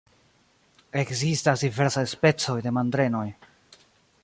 Ekzistas diversaj specoj de mandrenoj.